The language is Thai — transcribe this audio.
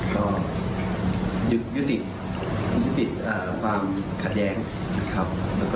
ก็ยุดติดความขาดแย้งครับ